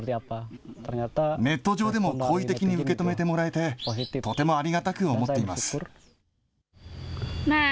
ネット上でも好意的に受け止めてもらえて、とてもありがたく思っています。